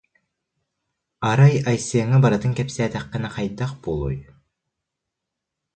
Арай Айсеҥҥа барытын кэпсээтэххинэ хайдах буолуой